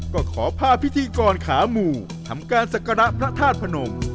ก็ขอพาพิธีกรขาหมู่ทำการศักระพระธาตุพนม